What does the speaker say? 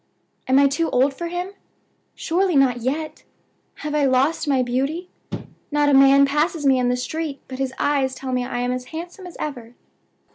"Am I too old for him? Surely not yet! Have I lost my beauty? Not a man passes me in the street but his eyes tell me I am as handsome as ever.